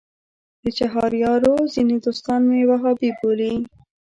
د چهاریارو ځینې دوستان مې وهابي بولي.